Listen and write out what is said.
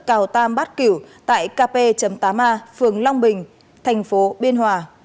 cào tam bát kiểu tại kp tám a phường long bình tp biên hòa